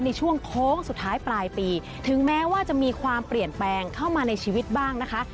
ในช่วงโค้งสุดท้ายปลายปีถึงแม้ว่าจะมีความเปลี่ยนแปลงเข้ามาในชีวิตบ้างนะคะ